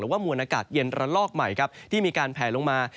ว่ามวลอากาศเย็นระลอกใหม่ครับที่มีการแผลลงมา